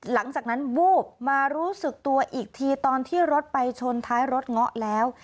หลังจากนั้นวูบมารู้สึกตัวอีกทีตอนที่รถไปชนท้ายรถเงาะแล้ว